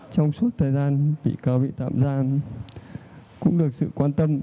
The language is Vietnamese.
trong suốt thời gian bị cáo bị tạm giam cũng được sự quan tâm